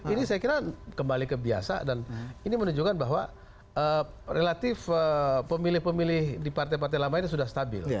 ini saya kira kembali ke biasa dan ini menunjukkan bahwa relatif pemilih pemilih di partai partai lama ini sudah stabil